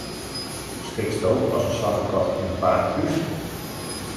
Skriksto as in swarte kat dyn paad krúst?